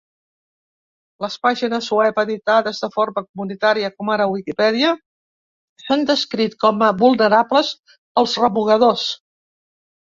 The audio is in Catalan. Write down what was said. Les pàgines web editades de forma comunitària, com ara Wikipedia, s'han descrit com a vulnerables als remugadors.